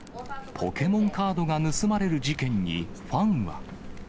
ポケモンカードが盗まれる事件に、ファンは。